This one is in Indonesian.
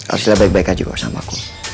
arsila baik baik aja kok sama aku